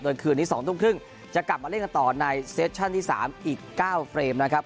โดยคืนนี้๒ทุ่มครึ่งจะกลับมาเล่นกันต่อในเซตชั่นที่๓อีก๙เฟรมนะครับ